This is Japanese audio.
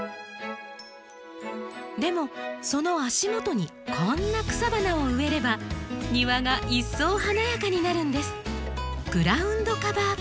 でもその足元にこんな草花を植えれば庭が一層華やかになるんです。